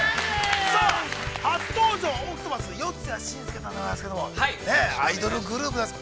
◆さあ、初登場、ＯＣＴＰＡＴＨ・四谷真佑さんでございますけれども、アイドルグループです。